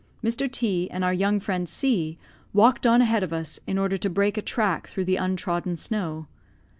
Mr. T and our young friend C walked on ahead of us, in order to break a track through the untrodden snow.